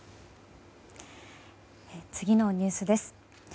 次のニュースです。